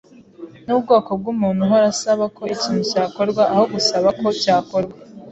nubwoko bwumuntu uhora asaba ko ikintu cyakorwa aho gusaba ko cyakorwa.